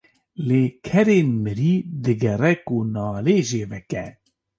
Li kerên mirî digere ku nalê jê veke.